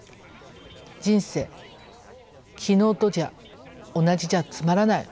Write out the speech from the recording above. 人生昨日と同じじゃつまらない。